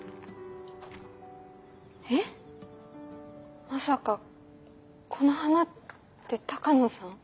えっまさかこの花って鷹野さん？